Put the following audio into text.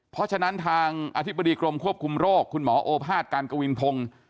เพราะฉะนั้นทางอธิบดีกรมควบคุมโรคคุณหมอโอภาษการกวินพงศ์